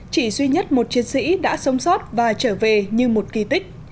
chỉ duy nhất một chiến sĩ đã sống sót và trở về như một kỳ tích